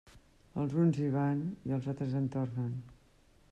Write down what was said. Els uns hi van i els altres en tornen.